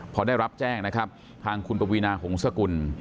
พอได้รับแจ้งนะครับทางคุณปวีนาหงษกุล